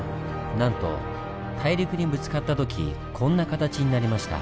なんと大陸にぶつかった時こんな形になりました。